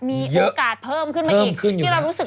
มีโอกาสเพิ่มขึ้นมาอีก